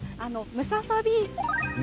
ムササビ。